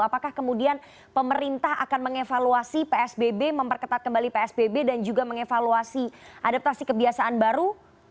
apakah kemudian pemerintah akan mengevaluasi psbb memperketat kembali psbb dan juga mengevaluasi adaptasi kebiasaan baru